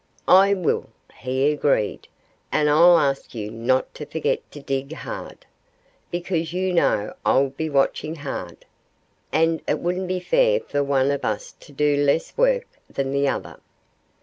"I will," he agreed. "And I'll ask you not to forget to dig hard, because you know I'll be watching hard. And it wouldn't be fair for one of us to do less work than the other."